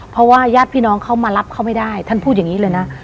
เพราะว่าญาติพี่น้องเขามารับเขาไม่ได้ท่านพูดอย่างนี้เลยนะ